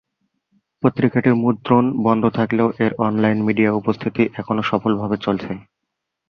পত্রিকাটির মুদ্রণ বন্ধ থাকলেও এর অনলাইন মিডিয়া উপস্থিতি এখনও সফলভাবে চলছে।